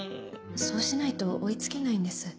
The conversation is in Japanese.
そうしないと追い付けないんです。